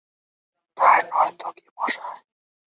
দায় নয় তো কী মশায়!